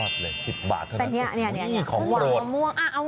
สุดยอด๑๐บาทเสร็จสิหวังมะม่วง